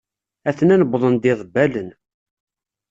Atnan wwḍen-d yiḍebbalen.